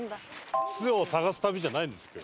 巣を探す旅じゃないんですこれ。